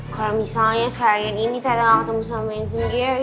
kalau misalnya seharian ini tak dengar aku ketemu sama main sendiri